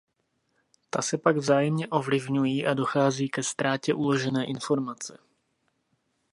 Ta se pak vzájemně ovlivňují a dochází ke ztrátě uložené informace.